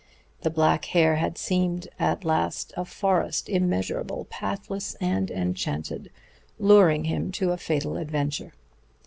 The black hair had seemed at last a forest, immeasurable, pathless and enchanted, luring him to a fatal adventure.